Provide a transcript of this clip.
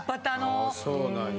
あそうなんや。